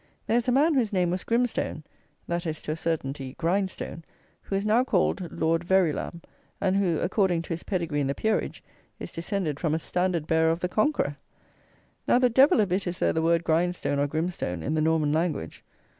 There is a man whose name was Grimstone (that is, to a certainty, Grindstone), who is now called Lord Verulam, and who, according to his pedigree in the Peerage, is descended from a "standard bearer of the Conqueror!" Now, the devil a bit is there the word Grindstone, or Grimstone, in the Norman language.